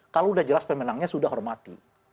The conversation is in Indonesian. kalau sudah jelas pemenangnya sudah hormati